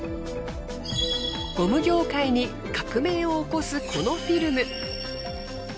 ゴム業界に革命を起こすこのフィルム。